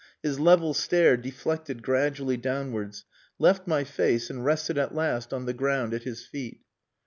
His level stare deflected gradually downwards, left my face, and rested at last on the ground at his feet.